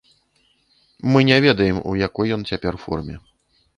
Мы не ведаем, у якой ён цяпер форме.